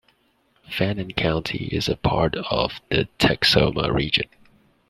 Fannin County is a part of the Texoma region.